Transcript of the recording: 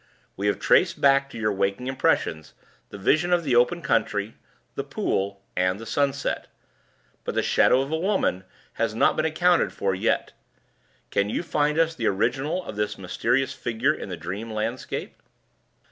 "We have traced back to your waking impressions the vision of the open country, the pool, and the sunset. But the Shadow of the Woman has not been accounted for yet. Can you find us the original of this mysterious figure in the dream landscape?"